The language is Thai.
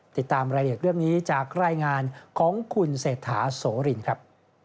ติดตามรายละเอียดเรื่องนี้จากรายงานของคุณเศรษฐาโสรินครับ